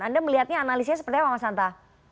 anda melihatnya analisnya seperti apa mas hanta